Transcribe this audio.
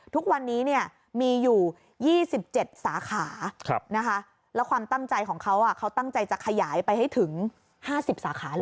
ทุกวันนี้มีอยู่๒๗สาขาแล้วความตั้งใจของเขาเขาตั้งใจจะขยายไปให้ถึง๕๐สาขาเลย